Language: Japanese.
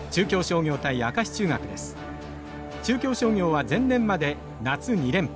中京商業は前年まで夏２連覇。